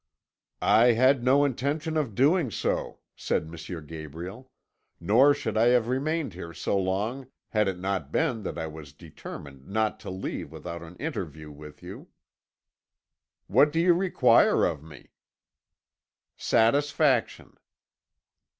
"'I had no intention of doing so,' said M. Gabriel, 'nor should I have remained here so long had it not been that I was determined not to leave without an interview with you.' "'What do you require of me?' "'Satisfaction.'